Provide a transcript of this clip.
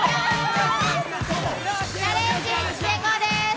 チャレンジ成功です。